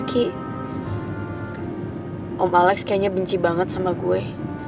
kayaknya gue kayaknya benci banget sama gue